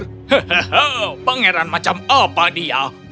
he he he pangeran macam apa dia